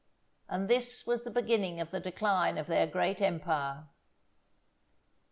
And this was the beginning of the decline of their great empire.